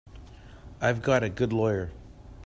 I've got a good lawyer.